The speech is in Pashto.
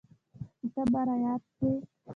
چي ته را په ياد سوې.